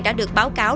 đã được báo cáo